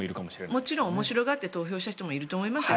もちろん面白がって投票した人もいると思いますよ。